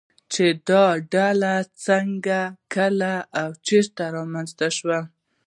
چې دا ډله څنگه، کله او چېرته رامنځته شوه